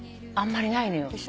あんまりないのよ。